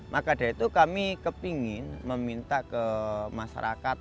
maka dari itu kami kepingin meminta ke masyarakat